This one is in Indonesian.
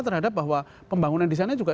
terhadap bahwa pembangunan disana juga